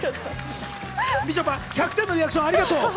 みちょぱ、１００点のリアクションありがとう。